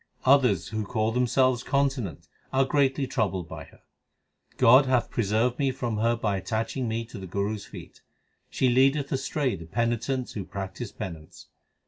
Others who call themselves continent are greatly troubled by her. God hath preserved me from her by attaching me to the Guru s feet. She leadeth astray the penitents who practise penance.